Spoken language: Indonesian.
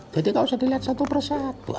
jadi gak usah dilihat satu bersatu